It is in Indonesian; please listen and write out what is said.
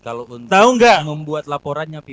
kalau untuk membuat laporannya pimpinan